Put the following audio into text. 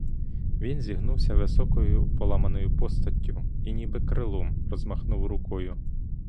Він зігнувся високою поламаною постаттю і, ніби крилом, розмахував рукою.